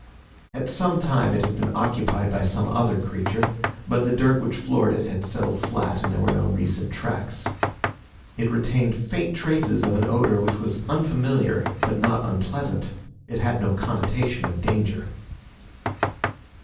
At some time it had been occupied by some other creature, but the dirt which floored it had settled flat and there were no recent tracks. It retained faint traces of an odor which was unfamiliar but not unpleasant. It had no connotation of danger.